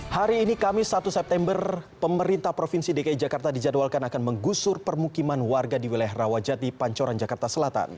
hari ini kamis satu september pemerintah provinsi dki jakarta dijadwalkan akan menggusur permukiman warga di wilayah rawajati pancoran jakarta selatan